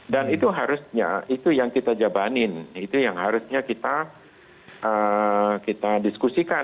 dan itu harusnya itu yang kita jabanin itu yang harusnya kita diskusikan